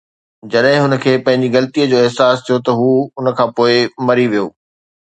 جڏهن هن کي پنهنجي غلطي جو احساس ٿيو ته هو ان کان پوء مري ويو